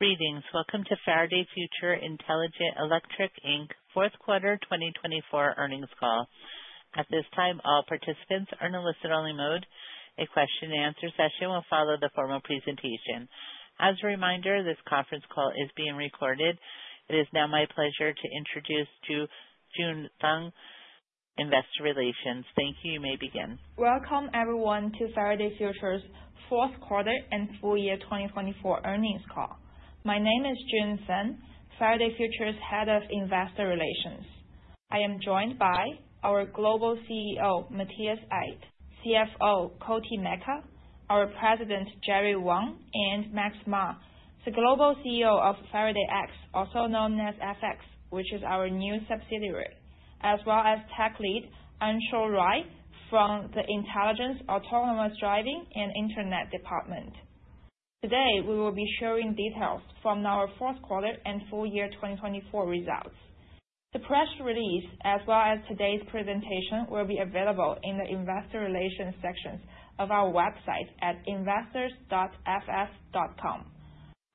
Greetings. Welcome to Faraday Future Intelligent Electric Inc. fourth quarter 2024 earnings call. At this time, all participants are in a listen-only mode. A question and answer session will follow the formal presentation. As a reminder, this conference call is being recorded. It is now my pleasure to introduce Jun Feng, Investor Relations. Thank you. You may begin. Welcome, everyone, to Faraday Future's fourth quarter and full year 2024 earnings call. My name is Jun Feng, Faraday Future's Head of Investor Relations. I am joined by our Global CEO, Matthias Aydt, CFO, Koti Meka, our President, Jerry Wang, and Max Ma, the Global CEO of Faraday X, also known as FX, which is our new subsidiary, as well as Tech Lead, Anshul Rai, from the Intelligence, Autonomous Driving, and Internet Department. Today, we will be sharing details from our fourth quarter and full year 2024 results. The press release, as well as today's presentation, will be available in the investor relations sections of our website at investors.ff.com.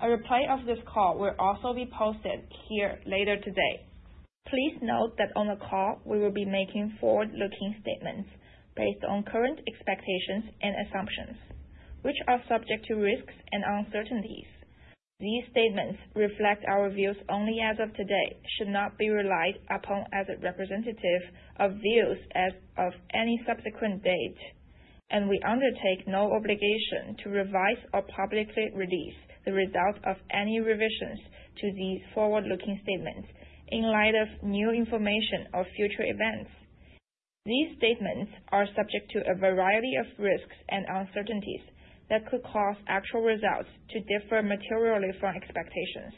A reply to this call will also be posted here later today. Please note that on the call, we will be making forward-looking statements based on current expectations and assumptions, which are subject to risks and uncertainties. These statements reflect our views only as of today, should not be relied upon as a representative of views as of any subsequent date, and we undertake no obligation to revise or publicly release the results of any revisions to these forward-looking statements in light of new information or future events. These statements are subject to a variety of risks and uncertainties that could cause actual results to differ materially from expectations.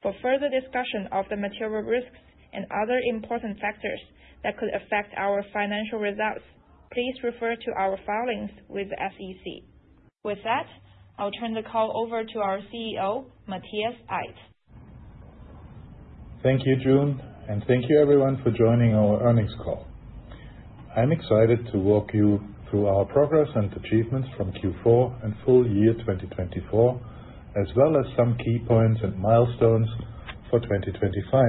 For further discussion of the material risks and other important factors that could affect our financial results, please refer to our filings with the SEC. With that, I'll turn the call over to our CEO, Matthias Aydt. Thank you, Jun, and thank you, everyone, for joining our earnings call. I'm excited to walk you through our progress and achievements from Q4 and full year 2024, as well as some key points and milestones for 2025.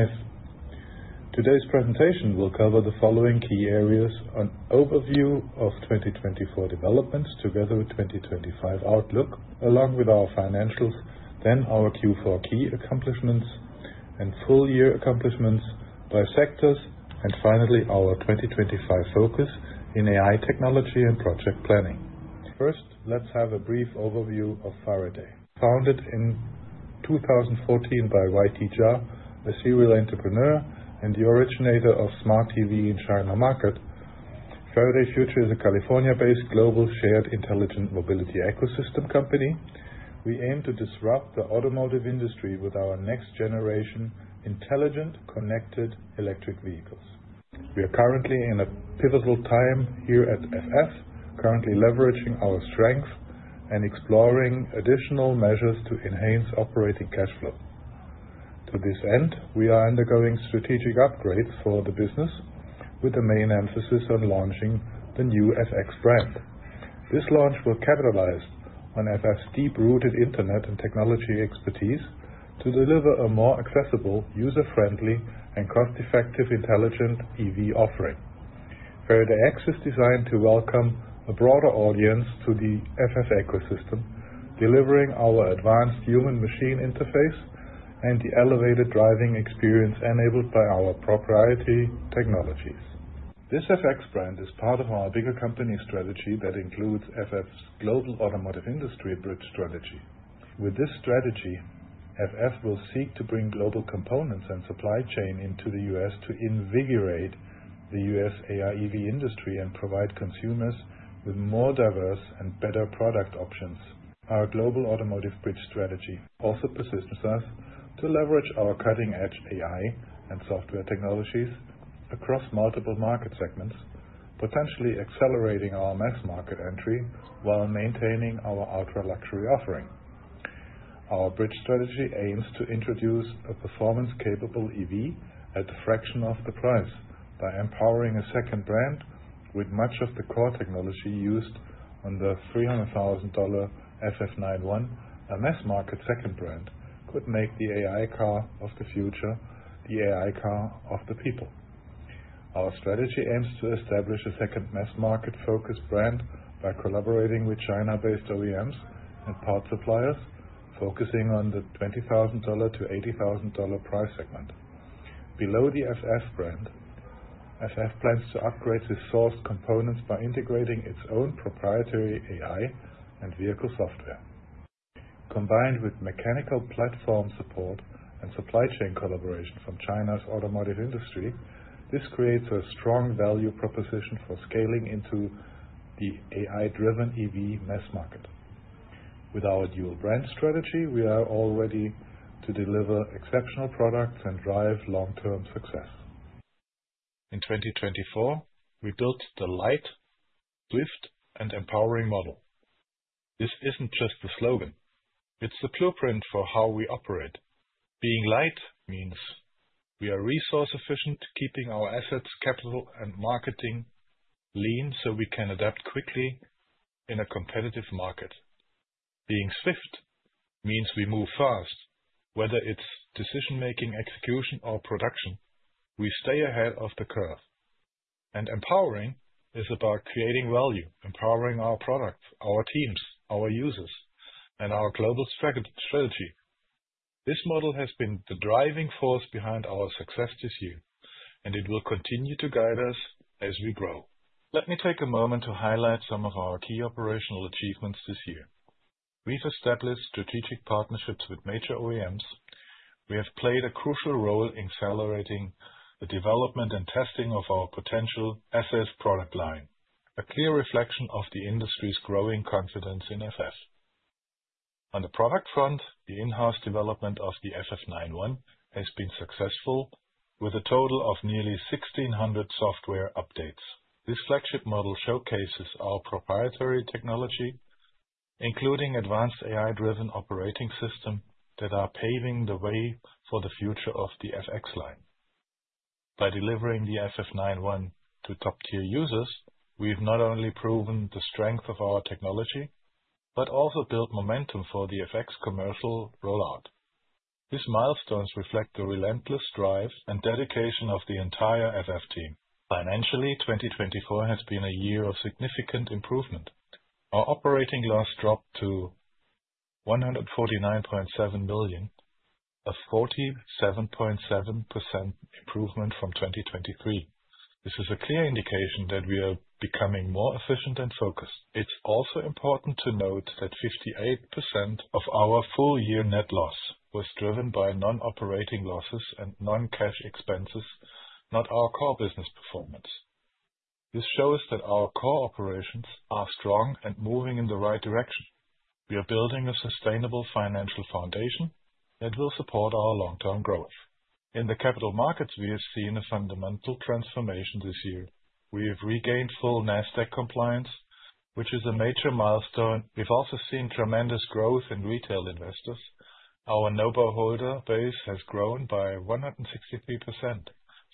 Today's presentation will cover the following key areas: an overview of 2024 developments together with 2025 outlook, along with our financials, then our Q4 key accomplishments and full year accomplishments by sectors, and finally, our 2025 focus in AI technology and project planning. First, let's have a brief overview of Faraday Future. Founded in 2014 by YT Jia, a serial entrepreneur and the originator of Smart TV in China market, Faraday Future is a California-based global shared intelligent mobility ecosystem company. We aim to disrupt the automotive industry with our next-generation intelligent connected electric vehicles. We are currently in a pivotal time here at FF, currently leveraging our strengths and exploring additional measures to enhance operating cash flow. To this end, we are undergoing strategic upgrades for the business with a main emphasis on launching the new FX brand. This launch will capitalize on FF's deep-rooted internet and technology expertise to deliver a more accessible, user-friendly, and cost-effective intelligent EV offering. Faraday X is designed to welcome a broader audience to the FF ecosystem, delivering our advanced human-machine interface and the elevated driving experience enabled by our proprietary technologies. This FX brand is part of our bigger company strategy that includes FF's global automotive industry bridge strategy. With this strategy, FF will seek to bring global components and supply chain into the U.S. to invigorate the U.S. AI EV industry and provide consumers with more diverse and better product options. Our global automotive bridge strategy also positions us to leverage our cutting-edge AI and software technologies across multiple market segments, potentially accelerating our mass market entry while maintaining our ultra-luxury offering. Our bridge strategy aims to introduce a performance-capable EV at a fraction of the price by empowering a second brand with much of the core technology used on the $300,000 FF 91. A mass-market second brand could make the AI car of the future the AI car of the people. Our strategy aims to establish a second mass-market-focused brand by collaborating with China-based OEMs and parts suppliers, focusing on the $20,000-$80,000 price segment. Below the FF brand, FF plans to upgrade the sourced components by integrating its own proprietary AI and vehicle software. Combined with mechanical platform support and supply chain collaboration from China's automotive industry, this creates a strong value proposition for scaling into the AI-driven EV mass market. With our dual-brand strategy, we are all ready to deliver exceptional products and drive long-term success. In 2024, we built the light, swift, and empowering model. This isn't just a slogan; it's the blueprint for how we operate. Being light means we are resource-efficient, keeping our assets, capital, and marketing lean so we can adapt quickly in a competitive market. Being swift means we move fast, whether it's decision-making, execution, or production. We stay ahead of the curve. Empowering is about creating value, empowering our products, our teams, our users, and our global strategy. This model has been the driving force behind our success this year, and it will continue to guide us as we grow. Let me take a moment to highlight some of our key operational achievements this year. We've established strategic partnerships with major OEMs. We have played a crucial role in accelerating the development and testing of our potential asset product line, a clear reflection of the industry's growing confidence in FF. On the product front, the in-house development of the FF 91 has been successful, with a total of nearly 1,600 software updates. This flagship model showcases our proprietary technology, including advanced AI-driven operating systems that are paving the way for the future of the FX line. By delivering the FF 91 to top-tier users, we've not only proven the strength of our technology but also built momentum for the FX commercial rollout. These milestones reflect the relentless drive and dedication of the entire FF team. Financially, 2024 has been a year of significant improvement. Our operating loss dropped to $149.7 million, a 47.7% improvement from 2023. This is a clear indication that we are becoming more efficient and focused. It's also important to note that 58% of our full-year net loss was driven by non-operating losses and non-cash expenses, not our core business performance. This shows that our core operations are strong and moving in the right direction. We are building a sustainable financial foundation that will support our long-term growth. In the capital markets, we have seen a fundamental transformation this year. We have regained full Nasdaq compliance, which is a major milestone. We have also seen tremendous growth in retail investors. Our NOBO holder base has grown by 163%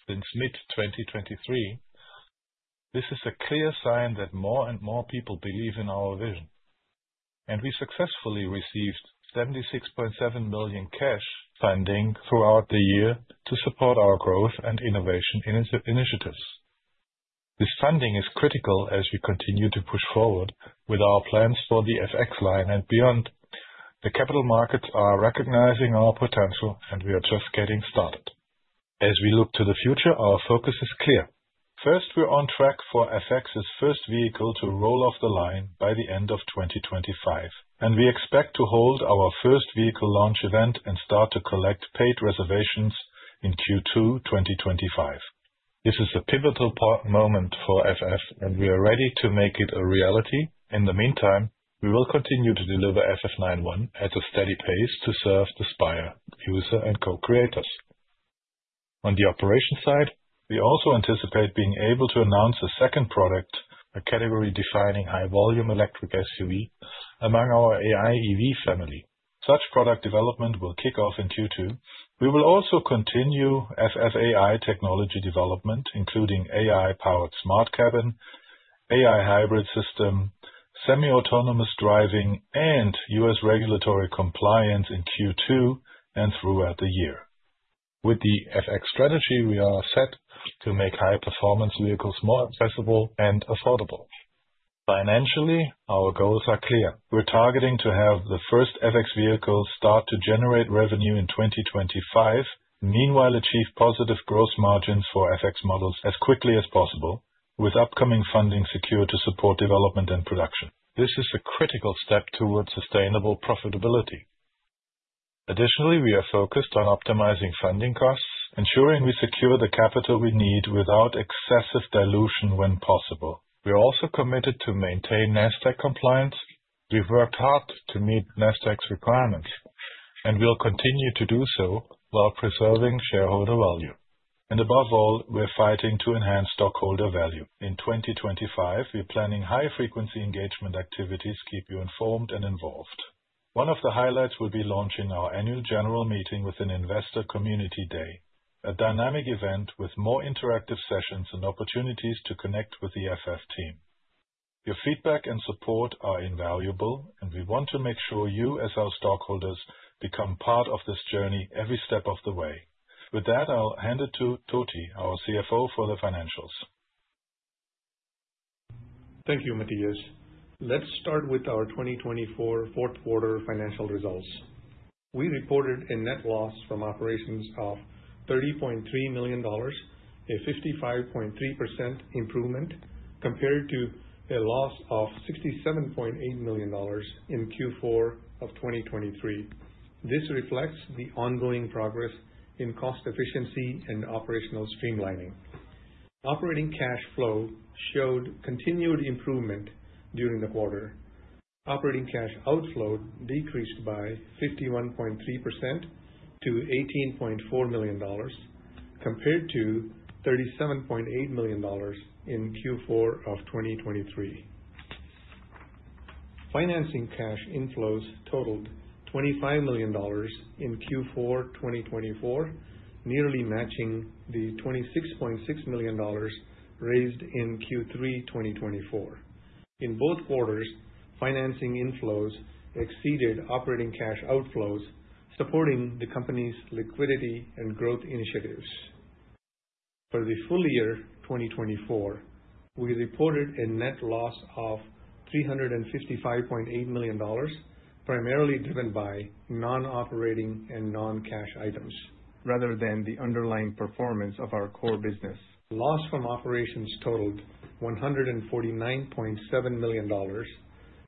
since mid-2023. This is a clear sign that more and more people believe in our vision. We successfully received $76.7 million cash funding throughout the year to support our growth and innovation initiatives. This funding is critical as we continue to push forward with our plans for the FX line and beyond. The capital markets are recognizing our potential, and we are just getting started. As we look to the future, our focus is clear. First, we're on track for FX's first vehicle to roll off the line by the end of 2025, and we expect to hold our first vehicle launch event and start to collect paid reservations in Q2 2025. This is a pivotal moment for FF, and we are ready to make it a reality. In the meantime, we will continue to deliver FF 91 at a steady pace to serve the Spire user and co-creators. On the operations side, we also anticipate being able to announce a second product, a category-defining high-volume electric SUV among our AI EV family. Such product development will kick off in Q2. We will also continue FF AI technology development, including AI-powered smart cabin, AI hybrid system, semi-autonomous driving, and U.S. regulatory compliance in Q2 and throughout the year. With the FX strategy, we are set to make high-performance vehicles more accessible and affordable. Financially, our goals are clear. We're targeting to have the first FX vehicles start to generate revenue in 2025, meanwhile achieve positive gross margins for FX models as quickly as possible, with upcoming funding secured to support development and production. This is a critical step towards sustainable profitability. Additionally, we are focused on optimizing funding costs, ensuring we secure the capital we need without excessive dilution when possible. We're also committed to maintaining Nasdaq compliance. We've worked hard to meet Nasdaq's requirements, and we'll continue to do so while preserving shareholder value. Above all, we're fighting to enhance stockholder value. In 2025, we're planning high-frequency engagement activities to keep you informed and involved. One of the highlights will be launching our annual general meeting with an Investor Community Day, a dynamic event with more interactive sessions and opportunities to connect with the FF team. Your feedback and support are invaluable, and we want to make sure you, as our stockholders, become part of this journey every step of the way. With that, I'll hand it to Koti, our CFO, for the financials. Thank you, Matthias. Let's start with our 2024 fourth quarter financial results. We reported a net loss from operations of $30.3 million, a 55.3% improvement compared to a loss of $67.8 million in Q4 of 2023. This reflects the ongoing progress in cost efficiency and operational streamlining. Operating cash flow showed continued improvement during the quarter. Operating cash outflow decreased by 51.3% to $18.4 million compared to $37.8 million in Q4 of 2023. Financing cash inflows totaled $25 million in Q4 2024, nearly matching the $26.6 million raised in Q3 2024. In both quarters, financing inflows exceeded operating cash outflows, supporting the company's liquidity and growth initiatives. For the full year 2024, we reported a net loss of $355.8 million, primarily driven by non-operating and non-cash items rather than the underlying performance of our core business. Loss from operations totaled $149.7 million,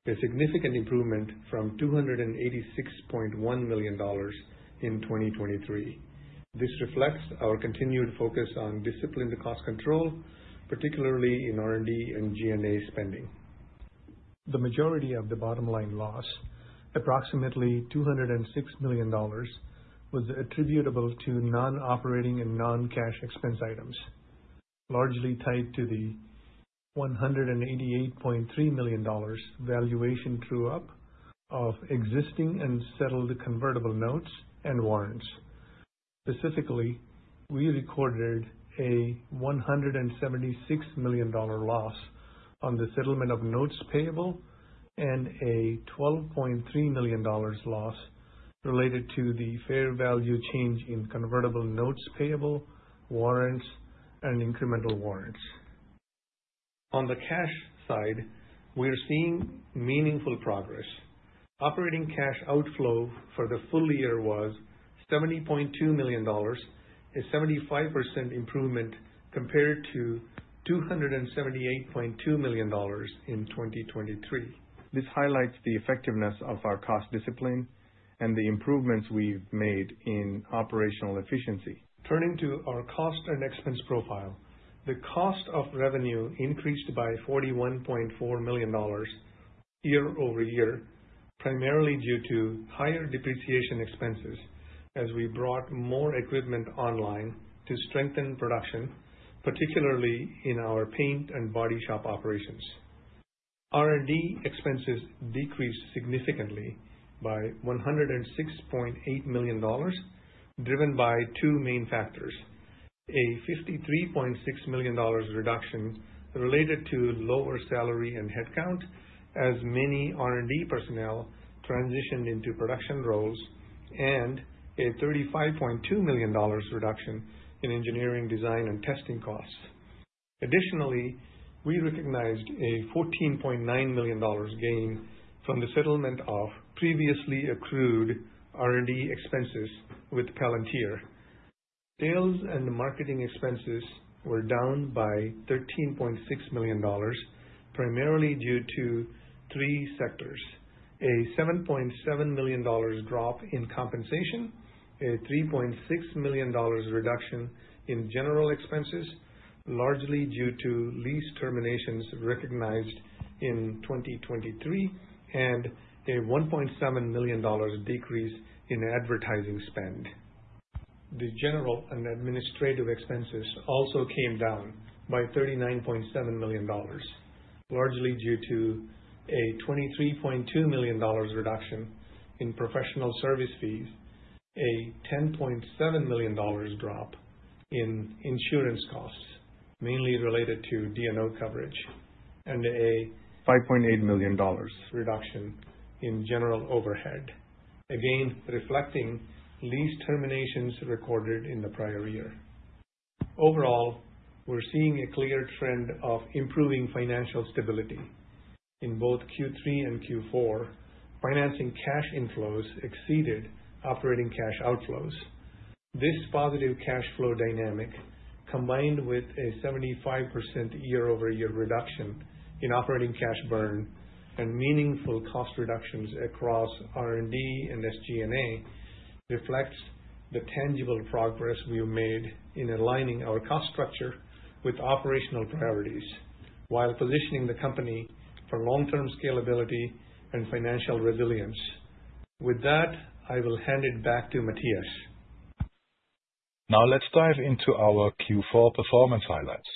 a significant improvement from $286.1 million in 2023. This reflects our continued focus on disciplined cost control, particularly in R&D and G&A spending. The majority of the bottom-line loss, approximately $206 million, was attributable to non-operating and non-cash expense items, largely tied to the $188.3 million valuation true-up of existing and settled convertible notes and warrants. Specifically, we recorded a $176 million loss on the settlement of notes payable and a $12.3 million loss related to the fair value change in convertible notes payable, warrants, and incremental warrants. On the cash side, we're seeing meaningful progress. Operating cash outflow for the full year was $70.2 million, a 75% improvement compared to $278.2 million in 2023. This highlights the effectiveness of our cost discipline and the improvements we've made in operational efficiency. Turning to our cost and expense profile, the cost of revenue increased by $41.4 million year-over-year, primarily due to higher depreciation expenses as we brought more equipment online to strengthen production, particularly in our paint and body shop operations. R&D expenses decreased significantly by $106.8 million, driven by two main factors: a $53.6 million reduction related to lower salary and headcount as many R&D personnel transitioned into production roles, and a $35.2 million reduction in engineering, design, and testing costs. Additionally, we recognized a $14.9 million gain from the settlement of previously accrued R&D expenses with Palantir. Sales and marketing expenses were down by $13.6 million, primarily due to three sectors: a $7.7 million drop in compensation, a $3.6 million reduction in general expenses, largely due to lease terminations recognized in 2023, and a $1.7 million decrease in advertising spend. The general and administrative expenses also came down by $39.7 million, largely due to a $23.2 million reduction in professional service fees, a $10.7 million drop in insurance costs, mainly related to D&O coverage, and a $5.8 million reduction in general overhead, again reflecting lease terminations recorded in the prior year. Overall, we're seeing a clear trend of improving financial stability. In both Q3 and Q4, financing cash inflows exceeded operating cash outflows. This positive cash flow dynamic, combined with a 75% year-over-year reduction in operating cash burn and meaningful cost reductions across R&D and SG&A, reflects the tangible progress we've made in aligning our cost structure with operational priorities while positioning the company for long-term scalability and financial resilience. With that, I will hand it back to Matthias. Now, let's dive into our Q4 performance highlights.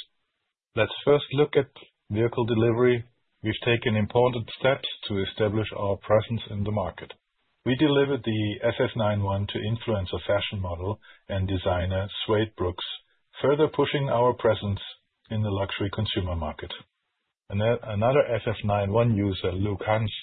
Let's first look at vehicle delivery. We've taken important steps to establish our presence in the market. We delivered the FF 91 to influencer, fashion model, and designer Suede Brooks, further pushing our presence in the luxury consumer market. Another FF 91 user, Luke Hans,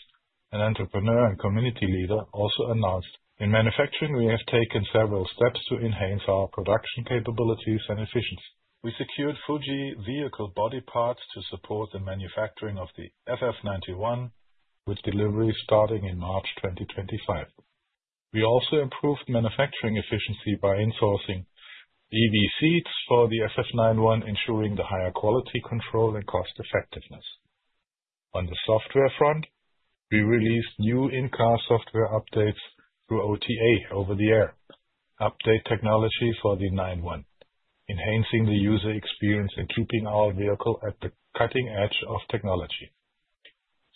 an entrepreneur and community leader, also announced, "In manufacturing, we have taken several steps to enhance our production capabilities and efficiency. We secured Fuji vehicle body parts to support the manufacturing of the FF 91, with delivery starting in March 2025." We also improved manufacturing efficiency by insourcing EV seats for the FF 91, ensuring the higher quality control and cost effectiveness. On the software front, we released new in-car software updates through OTA, over-the-air update technology for the 91, enhancing the user experience and keeping our vehicle at the cutting edge of technology.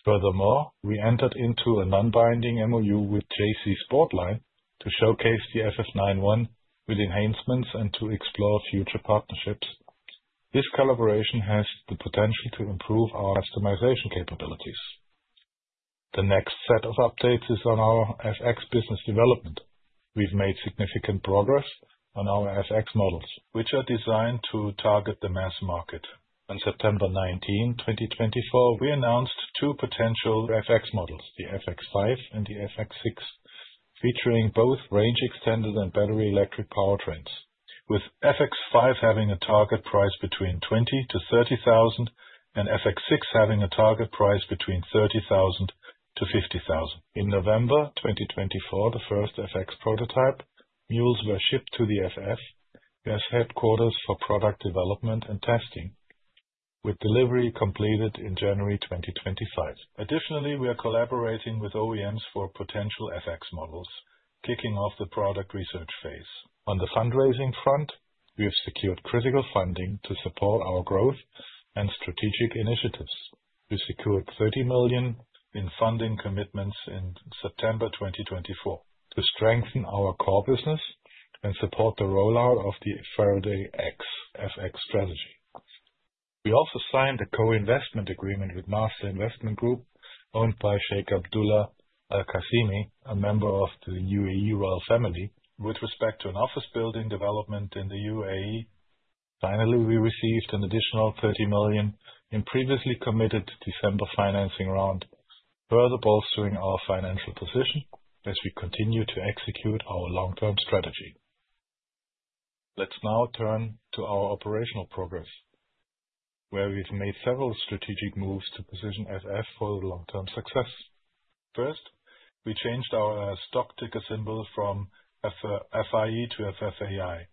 Furthermore, we entered into a non-binding MOU with JC Sportline to showcase the FF 91 with enhancements and to explore future partnerships. This collaboration has the potential to improve our customization capabilities. The next set of updates is on our FX business development. We've made significant progress on our FX models, which are designed to target the mass market. On September 19, 2024, we announced two potential FX models, the FX5 and the FX6, featuring both range-extended and battery-electric powertrains, with FX5 having a target price between $20,000-$30,000 and FX6 having a target price between $30,000-$50,000. In November 2024, the first FX prototype mules were shipped to the FF, FF headquarters for product development and testing, with delivery completed in January 2025. Additionally, we are collaborating with OEMs for potential FX models, kicking off the product research phase. On the fundraising front, we have secured critical funding to support our growth and strategic initiatives. We secured $30 million in funding commitments in September 2024 to strengthen our core business and support the rollout of the Faraday X FX strategy. We also signed a co-investment agreement with Master Investment Group, owned by Sheikh Abdullah Al Qasimi, a member of the UAE royal family, with respect to an office building development in the UAE. Finally, we received an additional $30 million in previously committed December financing round, further bolstering our financial position as we continue to execute our long-term strategy. Let's now turn to our operational progress, where we've made several strategic moves to position FF for long-term success. First, we changed our stock ticker symbol from FFIE to FFAI,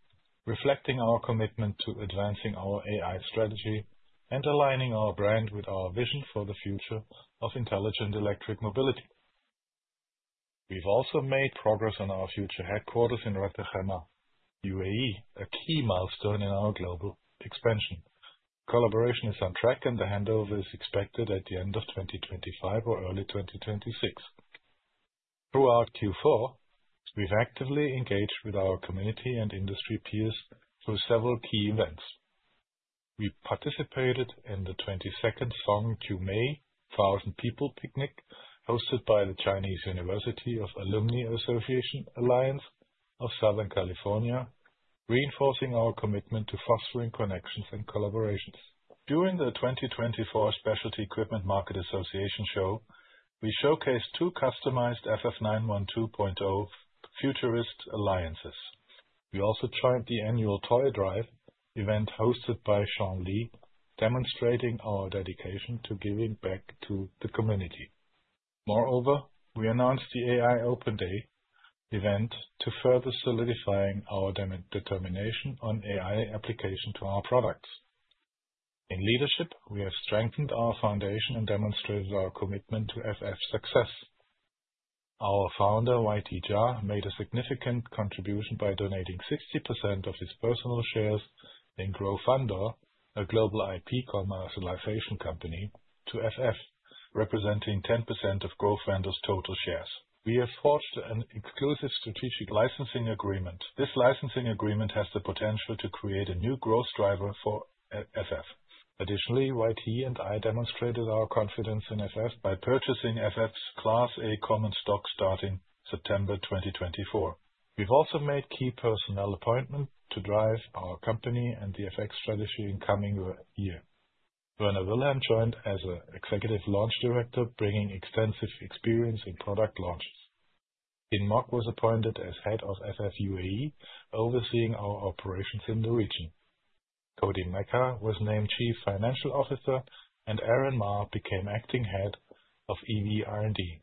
reflecting our commitment to advancing our AI strategy and aligning our brand with our vision for the future of intelligent electric mobility. We've also made progress on our future Ras Al-Khaimah, UAE, a key milestone in our global expansion. Collaboration is on track, and the handover is expected at the end of 2025 or early 2026. Throughout Q4, we've actively engaged with our community and industry peers through several key events. We participated in the 22nd SongZhuMei, Thousand People Picnic, hosted by the Chinese University of Alumni Association Alliance of Southern California, reinforcing our commitment to fostering connections and collaborations. During the 2024 Specialty Equipment Market Association show, we showcased two customized FF 91 2.0 Futurist Alliances. We also joined the annual Toy Drive event hosted by Sean Lee, demonstrating our dedication to giving back to the community. Moreover, we announced the AI Open Day event to further solidify our determination on AI application to our products. In leadership, we have strengthened our foundation and demonstrated our commitment to FF success. Our founder, YT Jia, made a significant contribution by donating 60% of his personal shares in Grow Fandor, a global IP commercialization company, to FF, representing 10% of Grow Fandor's total shares. We have forged an exclusive strategic licensing agreement. This licensing agreement has the potential to create a new growth driver for FF. Additionally, YT and I demonstrated our confidence in FF by purchasing FF's Class A Common Stock starting September 2024. We've also made key personnel appointments to drive our company and the FX strategy in the coming year. Werner Wilhelm joined as an Executive Launch Director, bringing extensive experience in product launches. Yin Mok was appointed as Head of FF UAE, overseeing our operations in the region. Koti Meka was named Chief Financial Officer, and Aaron Ma became Acting Head of EV R&D.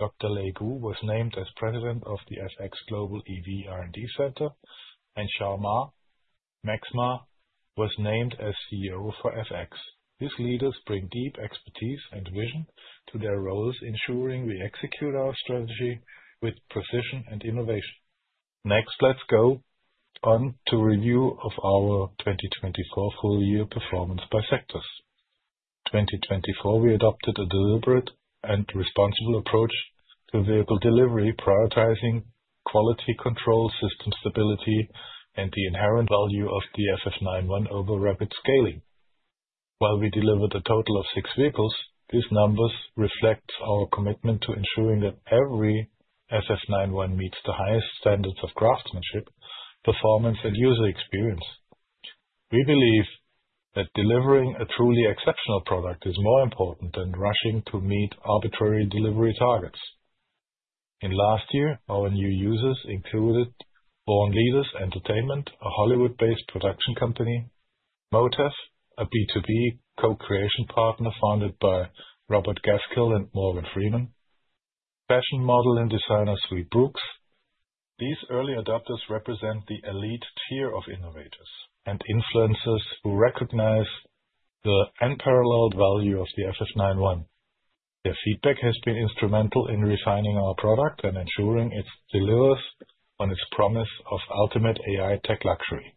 Dr. Lei Gu was named as President of the FX Global EV R&D Center, and Max Ma was named as CEO for FX. These leaders bring deep expertise and vision to their roles, ensuring we execute our strategy with precision and innovation. Next, let's go on to review of our 2024 full year performance by sectors. In 2024, we adopted a deliberate and responsible approach to vehicle delivery, prioritizing quality control, system stability, and the inherent value of the FF 91 over rapid scaling. While we delivered a total of six vehicles, these numbers reflect our commitment to ensuring that every FF 91 meets the highest standards of craftsmanship, performance, and user experience. We believe that delivering a truly exceptional product is more important than rushing to meet arbitrary delivery targets. In last year, our new users included Born Leaders Entertainment, a Hollywood-based production company, Motev, a B2B co-creation partner founded by Robert Gaskill and Morgan Freeman, and fashion model and designer Suede Brooks. These early adopters represent the elite tier of innovators and influencers who recognize the unparalleled value of the FF 91. Their feedback has been instrumental in refining our product and ensuring it delivers on its promise of ultimate AI tech luxury.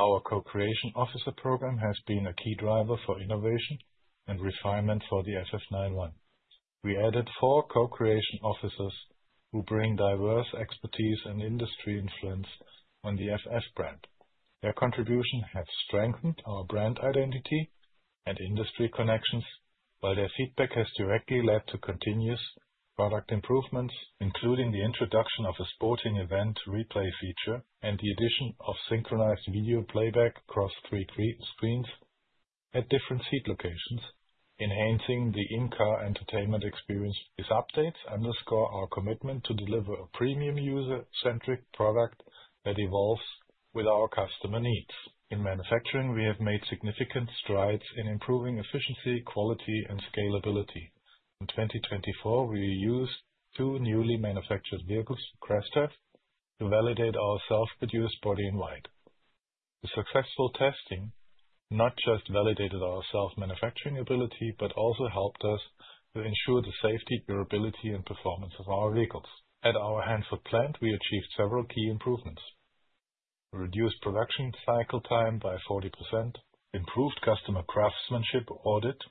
Our co-creation officer program has been a key driver for innovation and refinement for the FF 91. We added four co-creation officers who bring diverse expertise and industry influence on the FF brand. Their contribution has strengthened our brand identity and industry connections, while their feedback has directly led to continuous product improvements, including the introduction of a sporting event replay feature and the addition of synchronized video playback across three screens at different seat locations, enhancing the in-car entertainment experience. These updates underscore our commitment to deliver a premium user-centric product that evolves with our customer needs. In manufacturing, we have made significant strides in improving efficiency, quality, and scalability. In 2024, we used two newly manufactured vehicles, crash tests, to validate our self-produced body in white. The successful testing not just validated our self-manufacturing ability, but also helped us to ensure the safety, durability, and performance of our vehicles. At our Hanford plant, we achieved several key improvements: reduced production cycle time by 40%, improved customer craftsmanship audit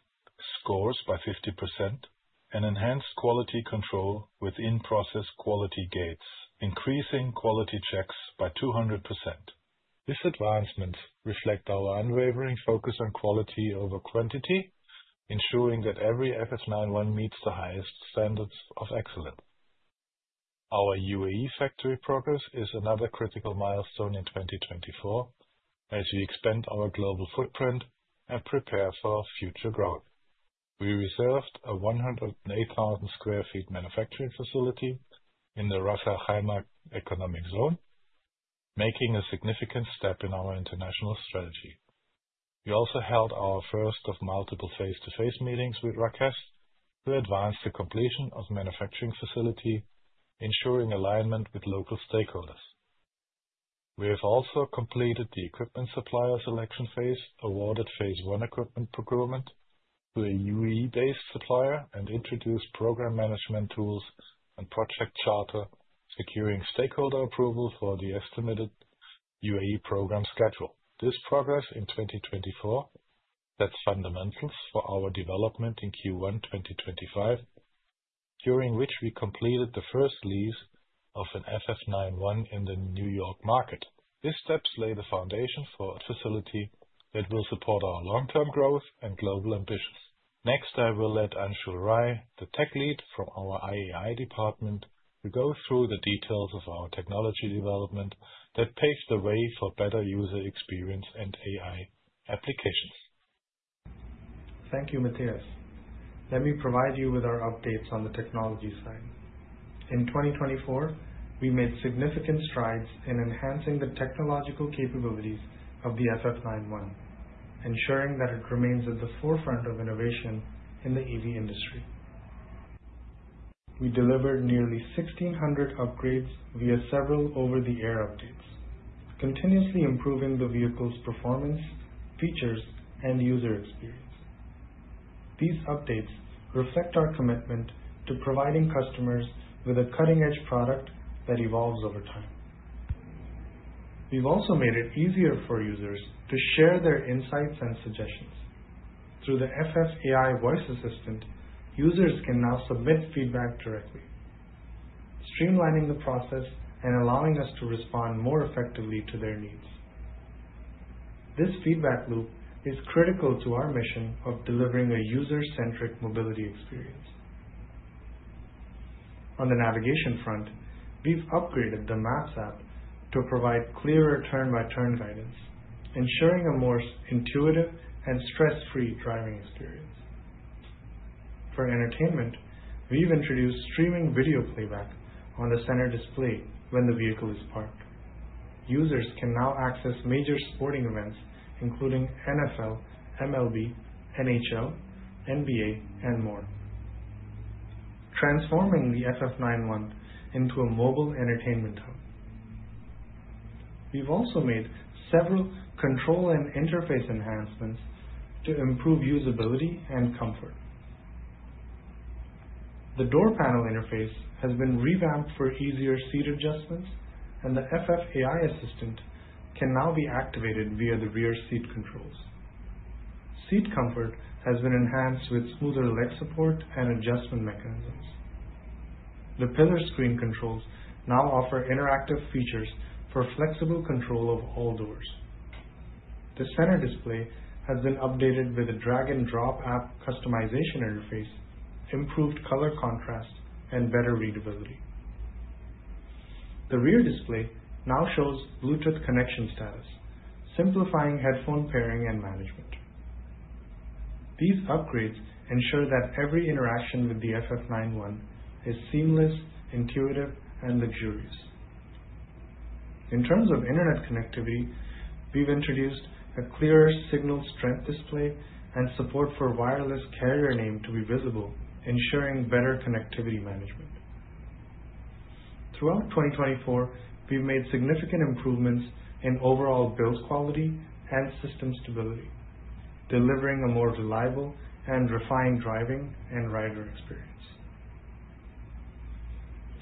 scores by 50%, and enhanced quality control with in-process quality gates, increasing quality checks by 200%. These advancements reflect our unwavering focus on quality over quantity, ensuring that every FF 91 meets the highest standards of excellence. Our UAE factory progress is another critical milestone in 2024 as we expand our global footprint and prepare for future growth. We reserved a 108,000 sq ft manufacturing facility Ras Al-Khaimah economic zone, making a significant step in our international strategy. We also held our first of multiple face to face meetings with local stakeholders to advance the completion of the manufacturing facility, ensuring alignment with local stakeholders. We have also completed the equipment supplier selection phase, awarded phase one equipment procurement to a UAE-based supplier, and introduced program management tools and project charter, securing stakeholder approval for the estimated UAE program schedule. This progress in 2024 sets fundamentals for our development in Q1 2025, during which we completed the first lease of an FF 91 in the New York market. These steps lay the foundation for a facility that will support our long-term growth and global ambitions. Next, I will let Anshul Rai, the tech lead from our IAI department, go through the details of our technology development that paves the way for better user experience and AI applications. Thank you, Matthias. Let me provide you with our updates on the technology side. In 2024, we made significant strides in enhancing the technological capabilities of the FF 91, ensuring that it remains at the forefront of innovation in the EV industry. We delivered nearly 1,600 upgrades via several over-the-air updates, continuously improving the vehicle's performance, features, and user experience. These updates reflect our commitment to providing customers with a cutting-edge product that evolves over time. We've also made it easier for users to share their insights and suggestions. Through the FF AI voice assistant, users can now submit feedback directly, streamlining the process and allowing us to respond more effectively to their needs. This feedback loop is critical to our mission of delivering a user-centric mobility experience. On the navigation front, we've upgraded the Maps app to provide clearer turn-by-turn guidance, ensuring a more intuitive and stress-free driving experience. For entertainment, we've introduced streaming video playback on the center display when the vehicle is parked. Users can now access major sporting events, including NFL, MLB, NHL, NBA, and more, transforming the FF 91 into a mobile entertainment hub. We've also made several control and interface enhancements to improve usability and comfort. The door panel interface has been revamped for easier seat adjustments, and the FF AI assistant can now be activated via the rear seat controls. Seat comfort has been enhanced with smoother leg support and adjustment mechanisms. The pillar screen controls now offer interactive features for flexible control of all doors. The center display has been updated with a drag-and-drop app customization interface, improved color contrast, and better readability. The rear display now shows Bluetooth connection status, simplifying headphone pairing and management. These upgrades ensure that every interaction with the FF 91 is seamless, intuitive, and luxurious. In terms of internet connectivity, we've introduced a clearer signal strength display and support for wireless carrier name to be visible, ensuring better connectivity management. Throughout 2024, we've made significant improvements in overall build quality and system stability, delivering a more reliable and refined driving and rider experience.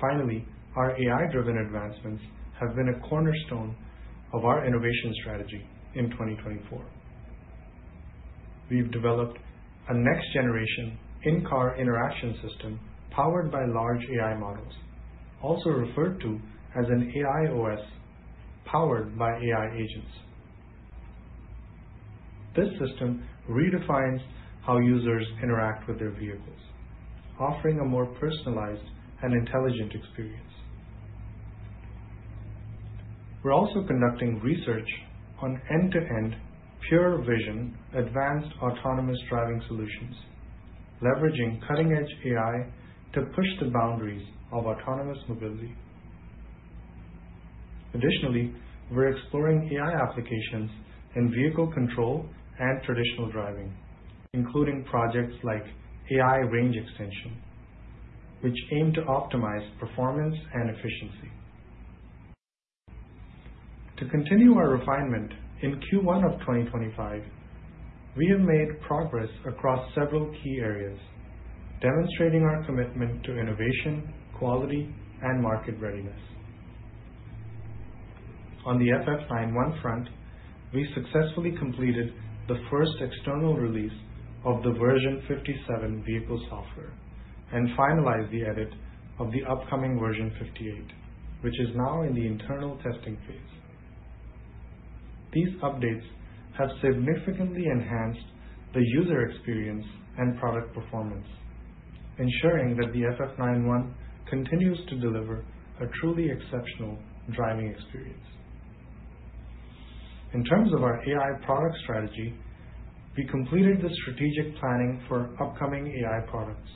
Finally, our AI-driven advancements have been a cornerstone of our innovation strategy in 2024. We've developed a next-generation in-car interaction system powered by large AI models, also referred to as an AI OS powered by AI agents. This system redefines how users interact with their vehicles, offering a more personalized and intelligent experience. We're also conducting research on end-to-end pure vision advanced autonomous driving solutions, leveraging cutting-edge AI to push the boundaries of autonomous mobility. Additionally, we're exploring AI applications in vehicle control and traditional driving, including projects like AI range extension, which aim to optimize performance and efficiency. To continue our refinement in Q1 of 2025, we have made progress across several key areas, demonstrating our commitment to innovation, quality, and market readiness. On the FF 91 front, we successfully completed the first external release of the version 57 vehicle software and finalized the edit of the upcoming version 58, which is now in the internal testing phase. These updates have significantly enhanced the user experience and product performance, ensuring that the FF 91 continues to deliver a truly exceptional driving experience. In terms of our AI product strategy, we completed the strategic planning for upcoming AI products,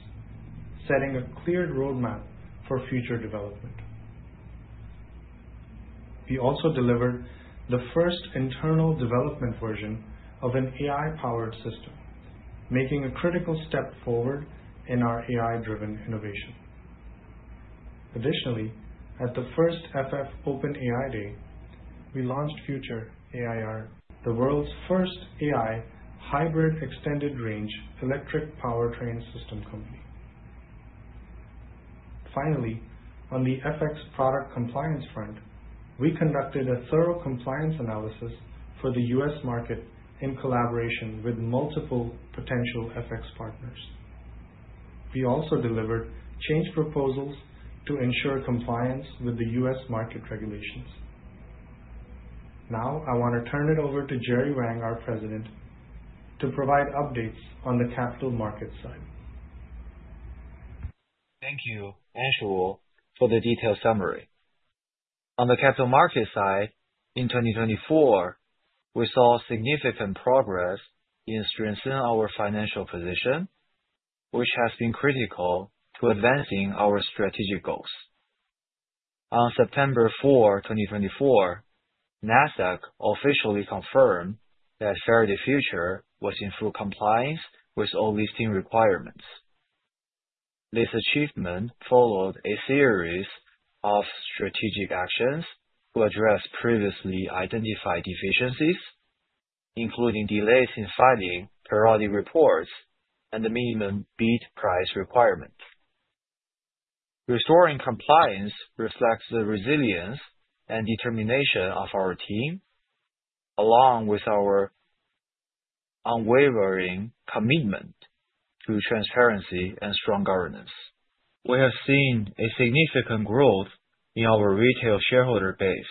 setting a clear roadmap for future development. We also delivered the first internal development version of an AI-powered system, making a critical step forward in our AI-driven innovation. Additionally, at the first FF Open AI Day, we launched Future AIHER, the world's first AI hybrid extended range electric powertrain system company. Finally, on the FX product compliance front, we conducted a thorough compliance analysis for the U.S. market in collaboration with multiple potential FX partners. We also delivered change proposals to ensure compliance with the U.S. market regulations. Now, I want to turn it over to Jerry Wang, our President, to provide updates on the capital market side. Thank you, Anshul, for the detailed summary. On the capital market side, in 2024, we saw significant progress in strengthening our financial position, which has been critical to advancing our strategic goals. On September 4, 2024, Nasdaq officially confirmed that Faraday Future was in full compliance with all listing requirements. This achievement followed a series of strategic actions to address previously identified deficiencies, including delays in filing periodic reports and the minimum bid price requirement. Restoring compliance reflects the resilience and determination of our team, along with our unwavering commitment to transparency and strong governance. We have seen a significant growth in our retail shareholder base,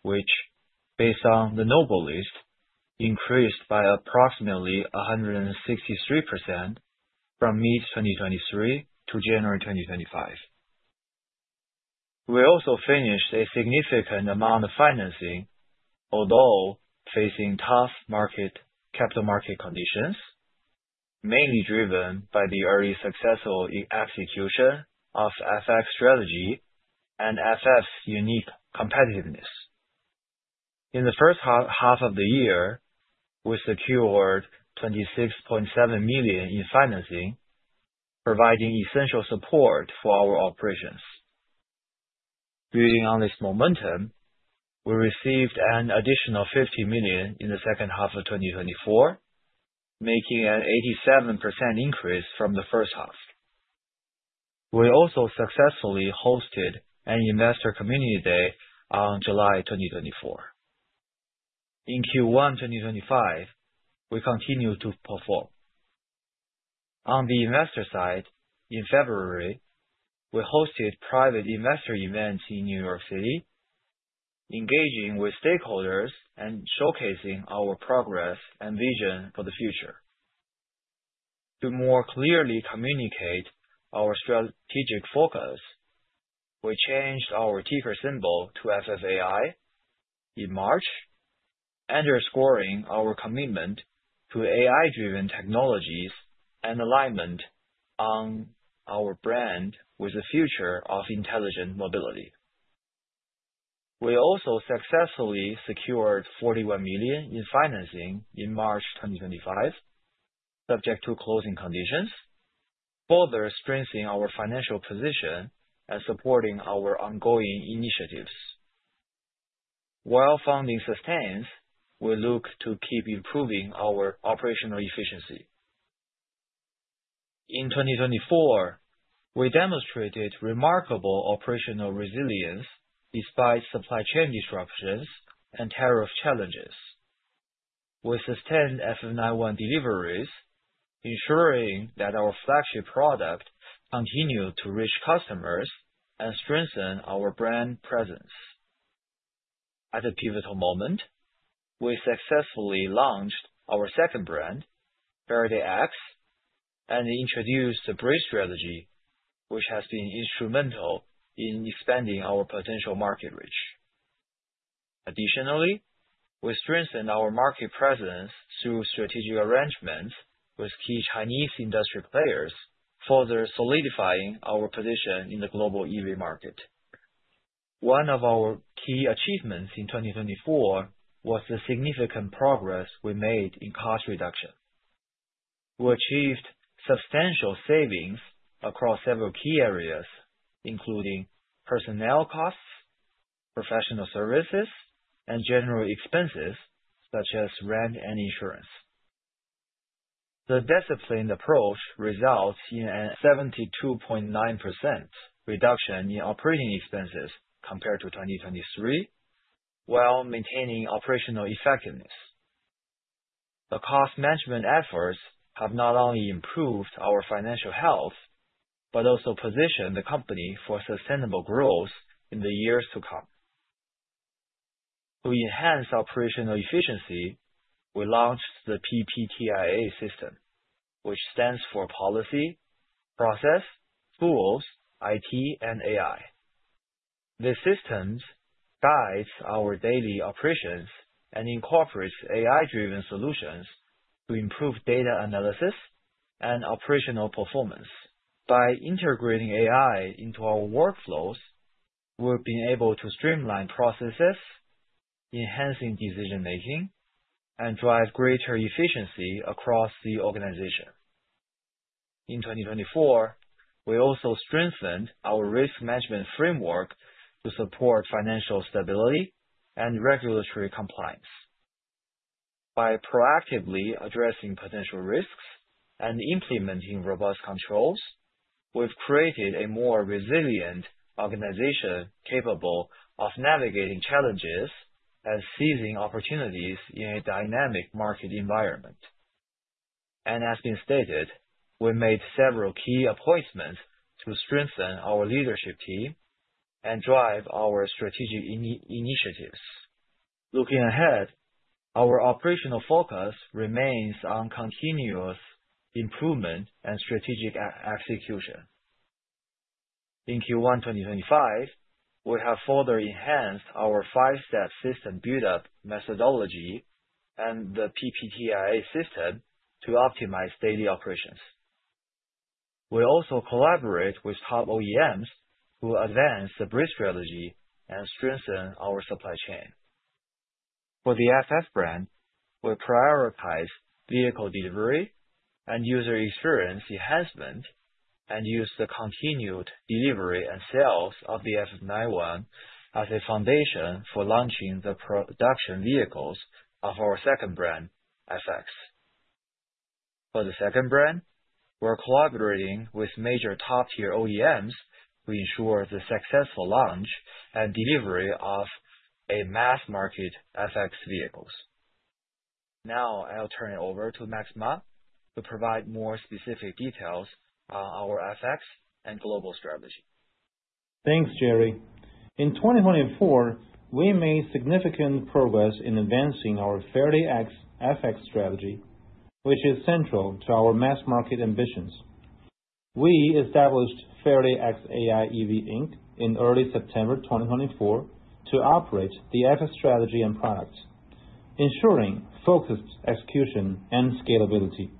which, based on the NOBO list, increased by approximately 163% from mid-2023 to January 2025. We also finished a significant amount of financing, although facing tough market capital market conditions, mainly driven by the early successful execution of FX strategy and FX's unique competitiveness. In the first half of the year, we secured $26.7 million in financing, providing essential support for our operations. Building on this momentum, we received an additional $50 million in the second half of 2024, making an 87% increase from the first half. We also successfully hosted an investor community day on July 2024. In Q1 2025, we continued to perform. On the investor side, in February, we hosted private investor events in New York City, engaging with stakeholders and showcasing our progress and vision for the future. To more clearly communicate our strategic focus, we changed our ticker symbol to FFAI in March, underscoring our commitment to AI-driven technologies and alignment on our brand with the future of intelligent mobility. We also successfully secured $41 million in financing in March 2025, subject to closing conditions, further strengthening our financial position and supporting our ongoing initiatives. While funding sustains, we look to keep improving our operational efficiency. In 2024, we demonstrated remarkable operational resilience despite supply chain disruptions and tariff challenges. We sustained FF 91 deliveries, ensuring that our flagship product continued to reach customers and strengthen our brand presence. At a pivotal moment, we successfully launched our second brand, Faraday X, and introduced the Bridge strategy, which has been instrumental in expanding our potential market reach. Additionally, we strengthened our market presence through strategic arrangements with key Chinese industry players, further solidifying our position in the global EV market. One of our key achievements in 2024 was the significant progress we made in cost reduction. We achieved substantial savings across several key areas, including personnel costs, professional services, and general expenses such as rent and insurance. The disciplined approach results in a 72.9% reduction in operating expenses compared to 2023, while maintaining operational effectiveness. The cost management efforts have not only improved our financial health but also positioned the company for sustainable growth in the years to come. To enhance operational efficiency, we launched the PPTIA system, which stands for Policy, Process, Tools, IT, and AI. This system guides our daily operations and incorporates AI-driven solutions to improve data analysis and operational performance. By integrating AI into our workflows, we've been able to streamline processes, enhance decision-making, and drive greater efficiency across the organization. In 2024, we also strengthened our risk management framework to support financial stability and regulatory compliance. By proactively addressing potential risks and implementing robust controls, we've created a more resilient organization capable of navigating challenges and seizing opportunities in a dynamic market environment. As has been stated, we made several key appointments to strengthen our leadership team and drive our strategic initiatives. Looking ahead, our operational focus remains on continuous improvement and strategic execution. In Q1 2025, we have further enhanced our five-step system build-up methodology and the PPTIA system to optimize daily operations. We also collaborate with top OEMs to advance the Bridge strategy and strengthen our supply chain. For the FF brand, we prioritize vehicle delivery and user experience enhancement and use the continued delivery and sales of the FF 91 as a foundation for launching the production vehicles of our second brand, FX. For the second brand, we're collaborating with major top-tier OEMs to ensure the successful launch and delivery of mass-market FX vehicles. Now, I'll turn it over to Max Ma to provide more specific details on our FX and global strategy. Thanks, Jerry. In 2024, we made significant progress in advancing our Faraday X FX strategy, which is central to our mass-market ambitions. We established Faraday X AI EV Inc. in early September 2024 to operate the FX strategy and products, ensuring focused execution and scalability.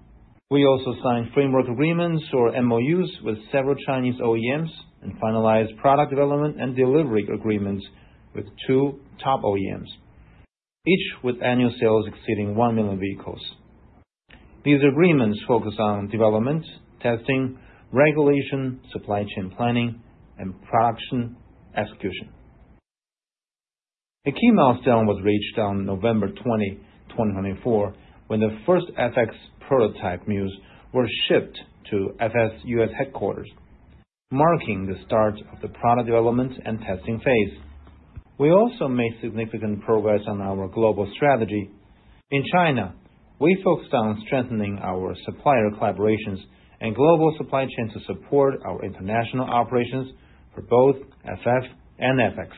We also signed framework agreements or MOUs with several Chinese OEMs and finalized product development and delivery agreements with two top OEMs, each with annual sales exceeding 1 million vehicles. These agreements focus on development, testing, regulation, supply chain planning, and production execution. A key milestone was reached on November 20, 2024, when the first FX prototype MUs were shipped to FS US headquarters, marking the start of the product development and testing phase. We also made significant progress on our global strategy. In China, we focused on strengthening our supplier collaborations and global supply chains to support our international operations for both FF and FX.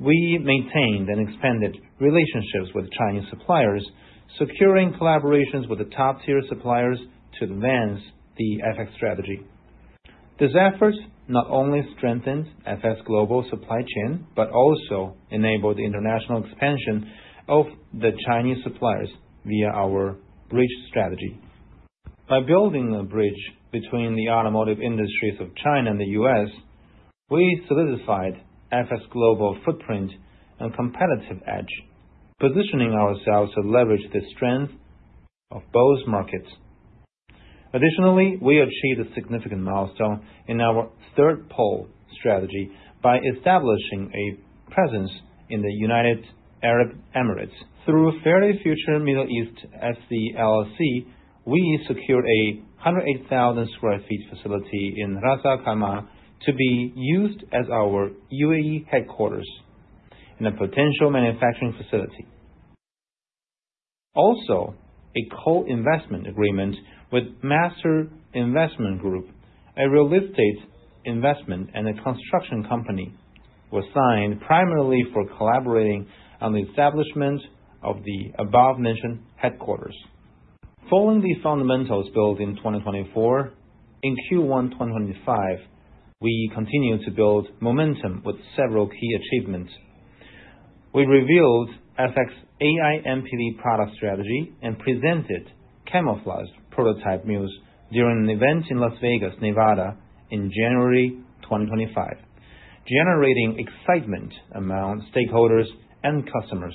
We maintained and expanded relationships with Chinese suppliers, securing collaborations with the top-tier suppliers to advance the FX strategy. These efforts not only strengthened FF's global supply chain but also enabled international expansion of the Chinese suppliers via our Bridge strategy. By building a bridge between the automotive industries of China and the U.S., we solidified FF's global footprint and competitive edge, positioning ourselves to leverage the strength of both markets. Additionally, we achieved a significant milestone in our third pole strategy by establishing a presence in the United Arab Emirates. Through Faraday Future Middle East FC, we secured a 108,000 sq ft facility in Ras Al-Khaimah to be used as our UAE headquarters and a potential manufacturing facility. Also, a co-investment agreement with Master Investment Group, a real estate investment and a construction company, was signed primarily for collaborating on the establishment of the above-mentioned headquarters. Following the fundamentals built in 2024, in Q1 2025, we continued to build momentum with several key achievements. We revealed FX AI MPV product strategy and presented camouflaged prototype MUs during an event in Las Vegas, Nevada, in January 2025, generating excitement among stakeholders and customers.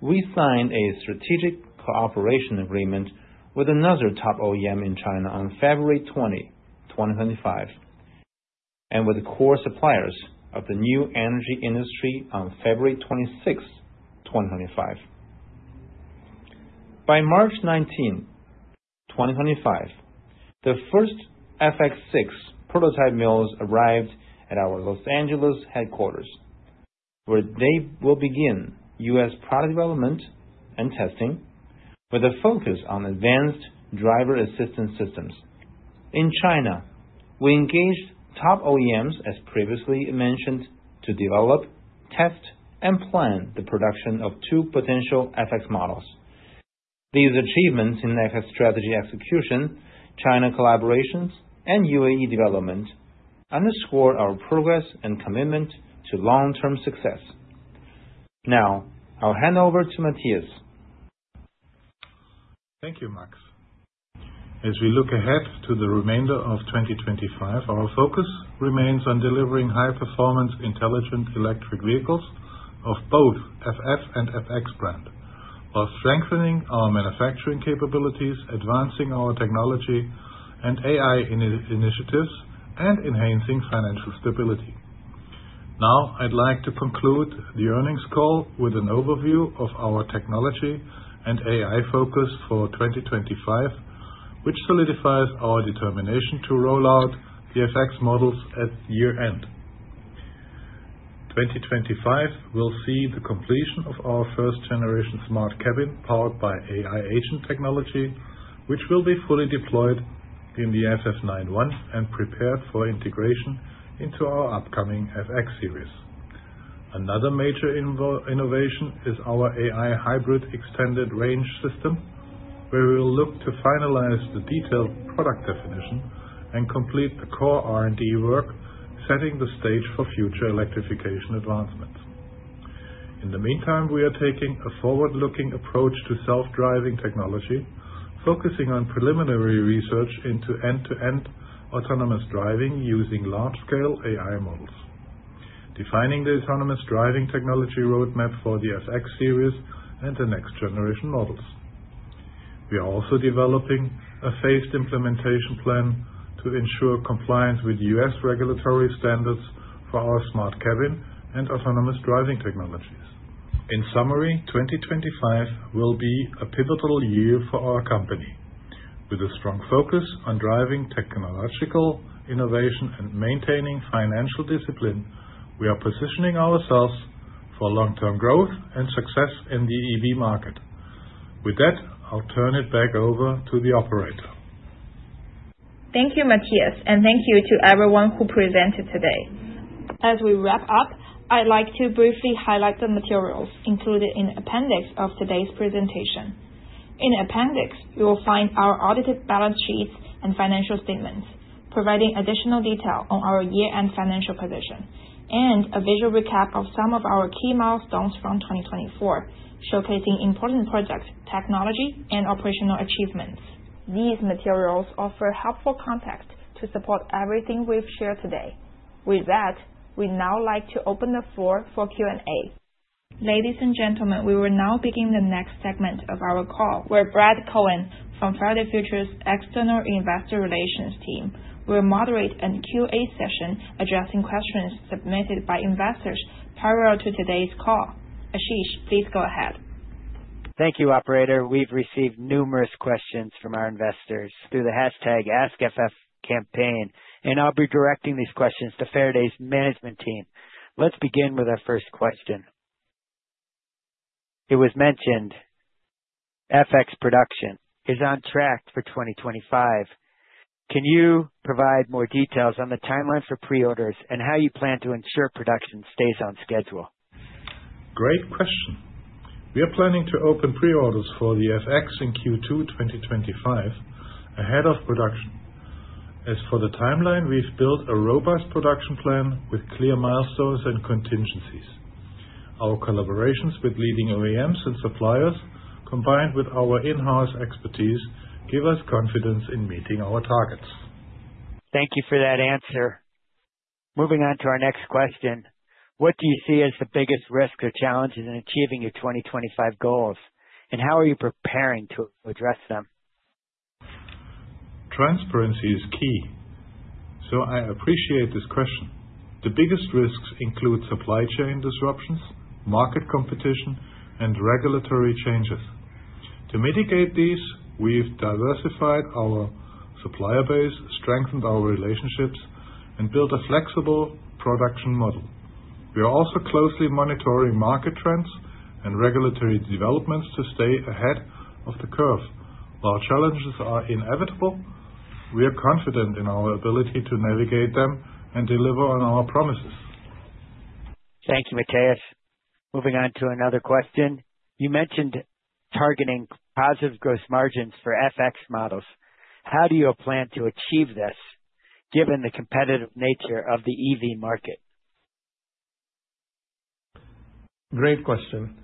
We signed a strategic cooperation agreement with another top OEM in China on February 20, 2025, and with core suppliers of the new energy industry on February 26, 2025. By March 19, 2025, the first FX6 prototype MUs arrived at our Los Angeles headquarters, where they will begin U.S. product development and testing with a focus on advanced driver assistance systems. In China, we engaged top OEMs, as previously mentioned, to develop, test, and plan the production of two potential FX models. These achievements in FX strategy execution, China collaborations, and UAE development underscored our progress and commitment to long-term success. Now, I'll hand over to Matthias. Thank you, Max. As we look ahead to the remainder of 2025, our focus remains on delivering high-performance intelligent electric vehicles of both FF and FX brand, while strengthening our manufacturing capabilities, advancing our technology and AI initiatives, and enhancing financial stability. Now, I'd like to conclude the earnings call with an overview of our technology and AI focus for 2025, which solidifies our determination to roll out the FX models at year-end. 2025 will see the completion of our first-generation smart cabin powered by AI agent technology, which will be fully deployed in the FF 91 and prepared for integration into our upcoming FX series. Another major innovation is our AI hybrid extended range system, where we will look to finalize the detailed product definition and complete the core R&D work, setting the stage for future electrification advancements. In the meantime, we are taking a forward-looking approach to self-driving technology, focusing on preliminary research into end-to-end autonomous driving using large-scale AI models, defining the autonomous driving technology roadmap for the FX series and the next-generation models. We are also developing a phased implementation plan to ensure compliance with U.S. regulatory standards for our smart cabin and autonomous driving technologies. In summary, 2025 will be a pivotal year for our company. With a strong focus on driving technological innovation and maintaining financial discipline, we are positioning ourselves for long-term growth and success in the EV market. With that, I'll turn it back over to the operator. Thank you, Matthias, and thank you to everyone who presented today. As we wrap up, I'd like to briefly highlight the materials included in the appendix of today's presentation. In the appendix, you will find our audited balance sheets and financial statements, providing additional detail on our year-end financial position, and a visual recap of some of our key milestones from 2024, showcasing important projects, technology, and operational achievements. These materials offer helpful context to support everything we've shared today. With that, we'd now like to open the floor for Q&A. Ladies and gentlemen, we will now begin the next segment of our call, where Brad Cohen from Faraday Future's External Investor Relations team will moderate a Q&A session addressing questions submitted by investors prior to today's call. Ashish, please go ahead. Thank you, Operator. We've received numerous questions from our investors through the #AskFF campaign, and I'll be directing these questions to Faraday's management team. Let's begin with our first question. It was mentioned FX production is on track for 2025. Can you provide more details on the timeline for pre-orders and how you plan to ensure production stays on schedule? Great question. We are planning to open pre-orders for the FX in Q2 2025 ahead of production. As for the timeline, we've built a robust production plan with clear milestones and contingencies. Our collaborations with leading OEMs and suppliers, combined with our in-house expertise, give us confidence in meeting our targets. Thank you for that answer. Moving on to our next question. What do you see as the biggest risks or challenges in achieving your 2025 goals, and how are you preparing to address them? Transparency is key, so I appreciate this question. The biggest risks include supply chain disruptions, market competition, and regulatory changes. To mitigate these, we've diversified our supplier base, strengthened our relationships, and built a flexible production model. We are also closely monitoring market trends and regulatory developments to stay ahead of the curve. While challenges are inevitable, we are confident in our ability to navigate them and deliver on our promises. Thank you, Matthias. Moving on to another question. You mentioned targeting positive gross margins for FX models. How do you plan to achieve this given the competitive nature of the EV market? Great question.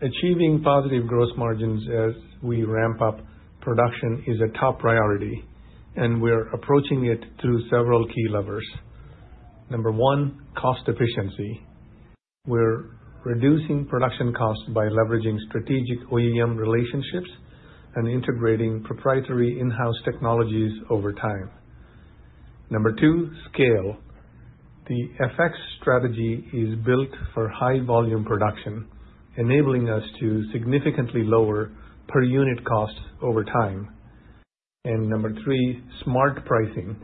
Achieving positive gross margins as we ramp up production is a top priority, and we're approaching it through several key levers. Number one, cost efficiency. We're reducing production costs by leveraging strategic OEM relationships and integrating proprietary in-house technologies over time. Number two, scale. The FX strategy is built for high-volume production, enabling us to significantly lower per-unit costs over time. Number three, smart pricing.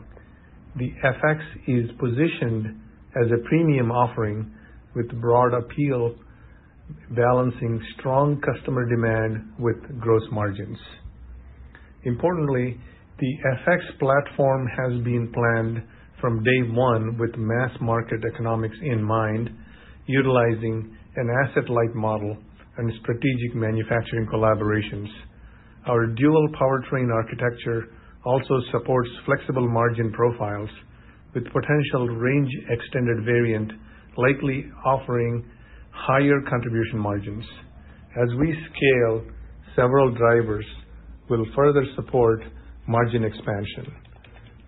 The FX is positioned as a premium offering with broad appeal, balancing strong customer demand with gross margins. Importantly, the FX platform has been planned from day one with mass-market economics in mind, utilizing an asset-light model and strategic manufacturing collaborations. Our dual powertrain architecture also supports flexible margin profiles, with potential range extended variant likely offering higher contribution margins. As we scale, several drivers will further support margin expansion: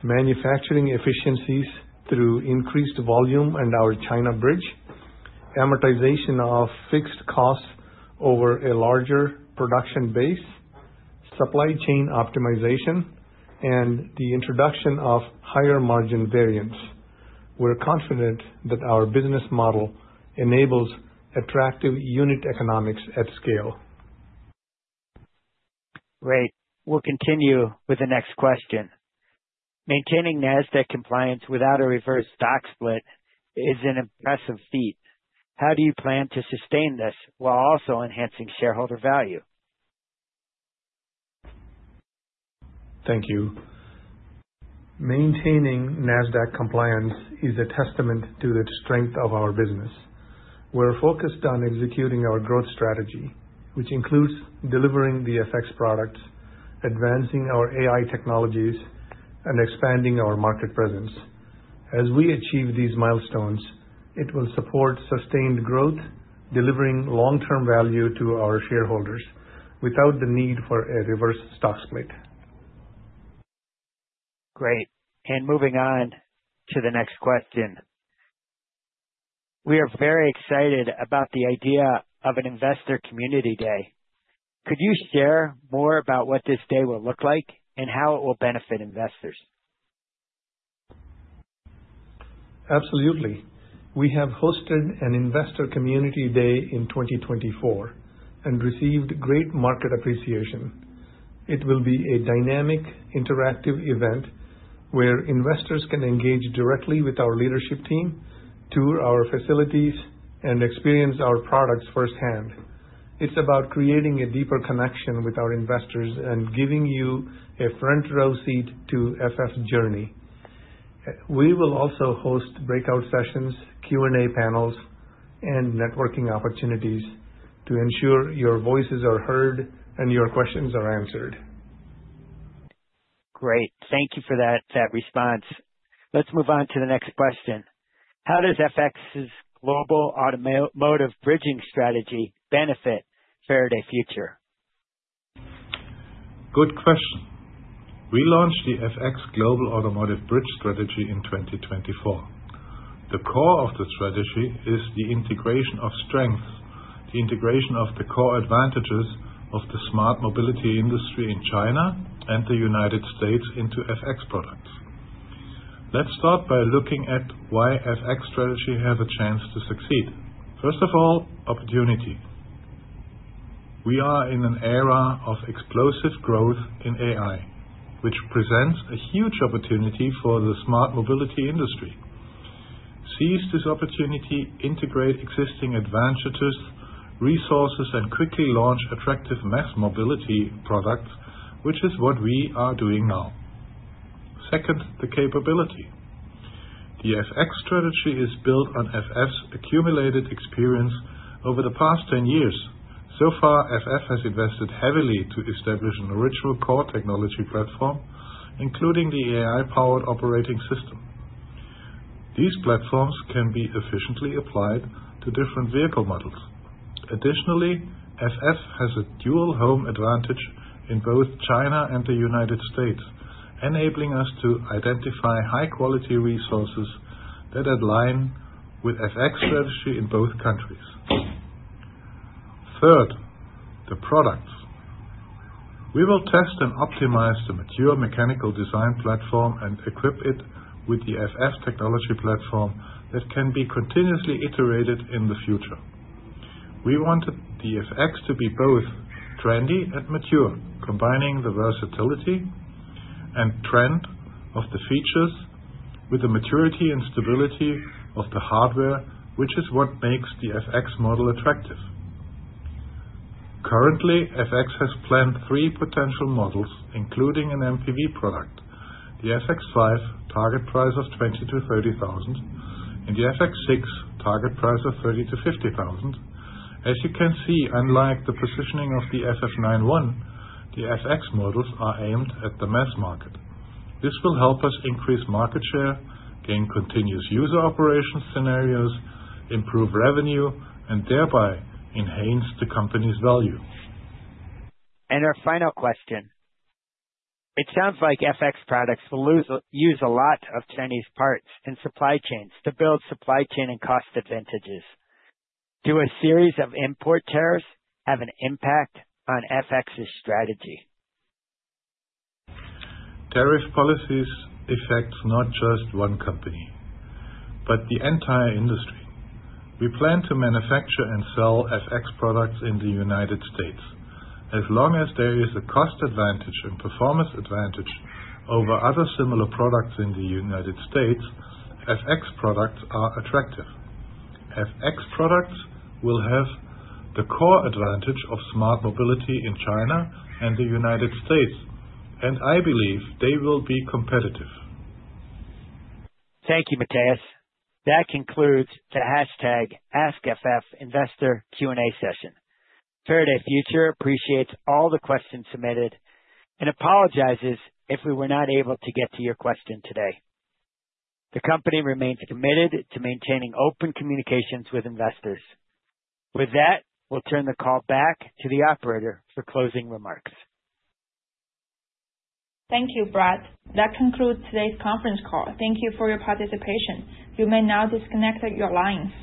manufacturing efficiencies through increased volume and our China bridge, amortization of fixed costs over a larger production base, supply chain optimization, and the introduction of higher margin variants. We're confident that our business model enables attractive unit economics at scale. Great. We'll continue with the next question. Maintaining Nasdaq compliance without a reverse stock split is an impressive feat. How do you plan to sustain this while also enhancing shareholder value? Thank you. Maintaining Nasdaq compliance is a testament to the strength of our business. We're focused on executing our growth strategy, which includes delivering the FX products, advancing our AI technologies, and expanding our market presence. As we achieve these milestones, it will support sustained growth, delivering long-term value to our shareholders without the need for a reverse stock split. Great. Moving on to the next question. We are very excited about the idea of an investor community day. Could you share more about what this day will look like and how it will benefit investors? Absolutely. We have hosted an investor community day in 2024 and received great market appreciation. It will be a dynamic, interactive event where investors can engage directly with our leadership team, tour our facilities, and experience our products firsthand. It's about creating a deeper connection with our investors and giving you a front-row seat to FF's journey. We will also host breakout sessions, Q&A panels, and networking opportunities to ensure your voices are heard and your questions are answered. Great. Thank you for that response. Let's move on to the next question. How does FX's global automotive bridging strategy benefit Faraday Future? Good question. We launched the FX Global Automotive Bridge Strategy in 2024. The core of the strategy is the integration of strengths, the integration of the core advantages of the smart mobility industry in China and the United States into FX products. Let's start by looking at why FX strategy has a chance to succeed. First of all, opportunity. We are in an era of explosive growth in AI, which presents a huge opportunity for the smart mobility industry. Seize this opportunity, integrate existing advantages, resources, and quickly launch attractive mass mobility products, which is what we are doing now. Second, the capability. The FX strategy is built on FF's accumulated experience over the past 10 years. So far, FF has invested heavily to establish an original core technology platform, including the AI-powered operating system. These platforms can be efficiently applied to different vehicle models. Additionally, FF has a dual home advantage in both China and the United States, enabling us to identify high-quality resources that align with FX strategy in both countries. Third, the products. We will test and optimize the mature mechanical design platform and equip it with the FF technology platform that can be continuously iterated in the future. We wanted the FX to be both trendy and mature, combining the versatility and trend of the features with the maturity and stability of the hardware, which is what makes the FX model attractive. Currently, FX has planned three potential models, including an MPV product: the FX5, target price of $20,000-$30,000, and the FX6, target price of $30,000-$50,000. As you can see, unlike the positioning of the FF 91, the FX models are aimed at the mass market. This will help us increase market share, gain continuous user operation scenarios, improve revenue, and thereby enhance the company's value. Our final question. It sounds like FX products will use a lot of Chinese parts and supply chains to build supply chain and cost advantages. Do a series of import tariffs have an impact on FX's strategy? Tariff policies affect not just one company, but the entire industry. We plan to manufacture and sell FX products in the United States. As long as there is a cost advantage and performance advantage over other similar products in the United States, FX products are attractive. FX products will have the core advantage of smart mobility in China and the United States, and I believe they will be competitive. Thank you, Matthias. That concludes the #AskFF Investor Q&A session. Faraday Future appreciates all the questions submitted and apologizes if we were not able to get to your question today. The company remains committed to maintaining open communications with investors. With that, we'll turn the call back to the operator for closing remarks. Thank you, Brad. That concludes today's conference call. Thank you for your participation. You may now disconnect your lines.